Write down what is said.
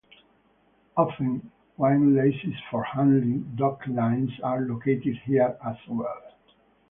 Often, windlasses for handling docklines are located here as well.